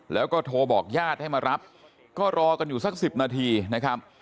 แล้วก็โทรบอกญาติให้มารับก็รอกันอยู่สัก๑๐นาทีนะครับ